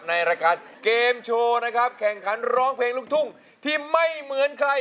ในรายการเกมโชว์นะครับแข่งขันร้องเพลงลูกทุ่งที่ไม่เหมือนใคร